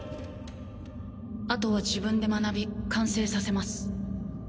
あとは自分で学び完成させます。